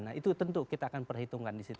nah itu tentu kita akan perhitungkan disitu